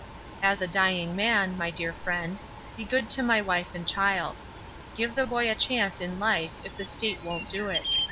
As a dying man, my dear friend, be good to my wife and child. Give the boy a chance in life if the State won't do it.